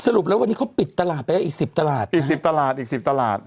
รุปแล้ววันนี้เขาปิดตลาดไปแล้วอีกสิบตลาดอีกสิบตลาดอีกสิบตลาด